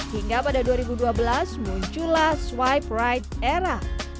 hingga pada dua ribu dua belas muncullah swipe right era